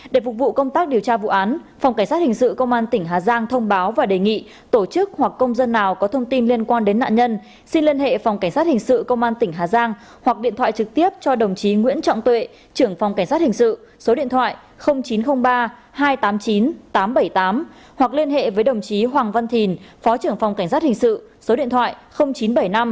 để phục vụ công tác điều tra vụ án phòng cảnh sát hình sự công an tỉnh hà giang thông báo và đề nghị tổ chức hoặc công dân nào có thông tin liên quan đến nạn nhân xin liên hệ phòng cảnh sát hình sự công an tỉnh hà giang hoặc điện thoại trực tiếp cho đồng chí nguyễn trọng tuệ trưởng phòng cảnh sát hình sự số điện thoại chín trăm linh ba hai trăm tám mươi chín tám trăm bảy mươi tám hoặc liên hệ với đồng chí hoàng văn thìn phó trưởng phòng cảnh sát hình sự số điện thoại chín trăm bảy mươi năm hai trăm hai mươi sáu sáu trăm bảy mươi bảy